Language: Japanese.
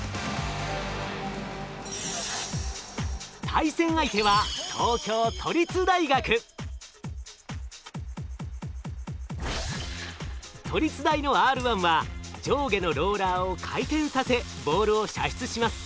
対戦相手は都立大のＲ１は上下のローラーを回転させボールを射出します。